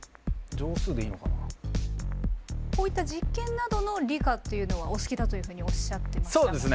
こういった実験などの理科っていうのはお好きだというふうにおっしゃってましたもんね。